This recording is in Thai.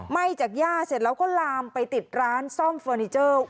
ไหม้จากย่าเสร็จแล้วก็ลามไปติดร้านซ่อมเฟอร์นิเจอร์